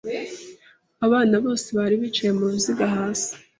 Abana bose bari bicaye muruziga hasi.